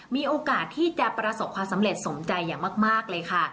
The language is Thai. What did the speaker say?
มีโอกาสที่จะประสบความสำเร็จสมใจอย่างมากเลยค่ะ